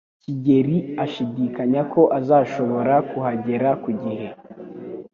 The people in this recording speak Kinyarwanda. Kigeri ashidikanya ko azashobora kuhagera ku gihe.